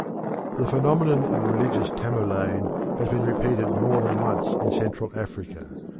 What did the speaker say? The phenomenon of a religious Tamerlane has been repeated more than once in Central Africa.